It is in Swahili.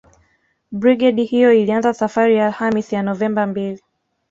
Brigedi hiyo ilianza safari Alhamisi ya Novemba mbili